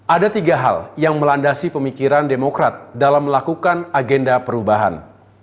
ada tiga hal yang melandasi pemikiran demokrat dalam melakukan agenda perubahan